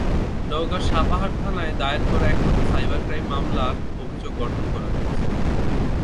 নওগাঁর সাপাহার থানায় দায়ের করা একমাত্র সাইবার ক্রাইম মামলার অভিযোগ গঠন করা হয়েছে।